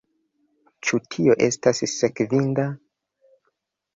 Ĉu tio estas sekvinda?